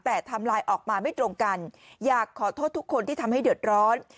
แต่ไทม์ไลน์ออกมาไม่ตรงกันอยากขอโทษทุกคนที่ทำให้เดือดร้อน